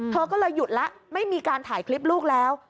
เธอก็เลยหยุดแล้วไม่มีการถ่ายคลิปลูกแล้ว